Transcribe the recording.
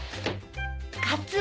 ・カツオ！